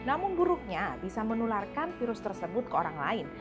namun buruknya bisa menularkan virus tersebut ke orang lain